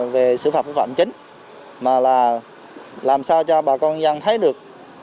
về sử phạm phòng chống dịch chính mà là làm sao cho bà con gian thấy được